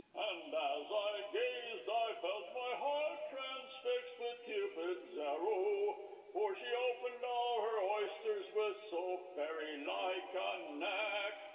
And, as I gazed, I felt my heart transfixed with Cupid's arrow, For she opened all her oysters with so fairylike a knack.